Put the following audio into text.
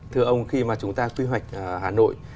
thưa ông khi mà chúng ta quy hoạch hà nội